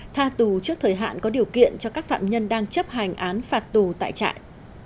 tha tù trước thời hạn có điều kiện cho các phạm nhân đang chấp hành án phạt tù tại trại